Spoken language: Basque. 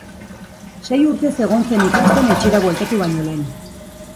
Sei urtez egon zen ikasten etxera bueltatu baino lehen.